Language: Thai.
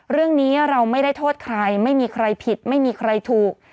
เรื่องนี้เราไม่ได้โทษใครไม่มีใครผิดไม่มีใครถูก